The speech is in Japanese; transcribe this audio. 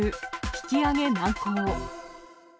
引き上げ難航。